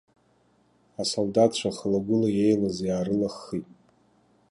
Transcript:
Асолдаҭцәа, хыла-гәла еилаз иаарылаххит.